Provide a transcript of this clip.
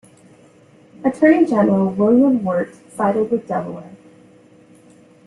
Attorney General William Wirt sided with Delaware.